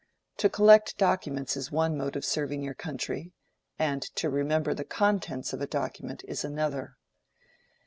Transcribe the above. To collect documents is one mode of serving your country, and to remember the contents of a document is another.